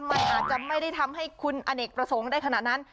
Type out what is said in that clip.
มันอาจจะไม่ได้ทำให้คุณอเนกประสงค์ได้ขนาดนั้น